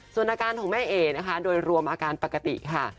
ส่วนอาการของแม่เอ๋นะคะโดยรวมอาการปกติค่ะ